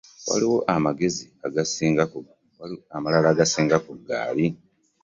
Waliwo amagezi amalala agasinga ku gali.